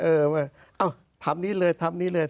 เอ่อว่าทำนี้เลย